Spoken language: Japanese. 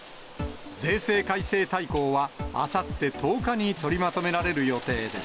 税制改正大綱はあさって１０日に取りまとめられる予定です。